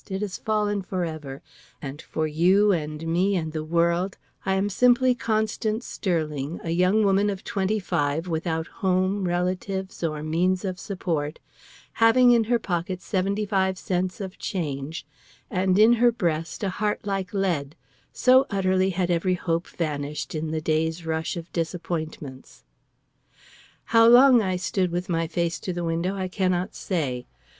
It has fallen for ever, and for you and me and the world I am simply Constance Sterling, a young woman of twenty five, without home, relatives, or means of support, having in her pocket seventy five cents of change, and in her breast a heart like lead, so utterly had every hope vanished in the day's rush of disappointments. How long I stood with my face to the window I cannot say.